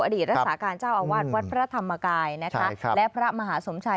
อดีตรัสสาการเจ้าอาวัดวัดพระธรรมกายนะครับและพระมหาสมชัย